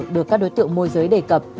được các đối tượng môi giới đề cập